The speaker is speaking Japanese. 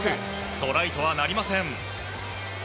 トライとはなりません。